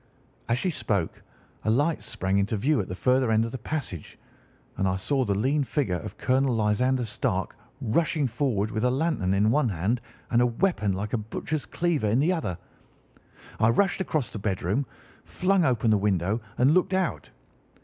"As she spoke a light sprang into view at the further end of the passage, and I saw the lean figure of Colonel Lysander Stark rushing forward with a lantern in one hand and a weapon like a butcher's cleaver in the other. I rushed across the bedroom, flung open the window, and looked out.